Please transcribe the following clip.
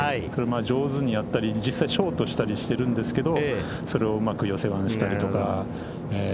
上手にやったりショートしたりしているんですがそれをうまく寄せたりとか。